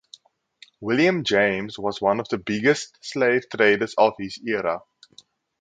William James was one of the biggest slave traders of his era.